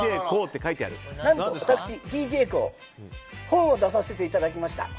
なんと私、ＤＪＫＯＯ本を出させていただきました。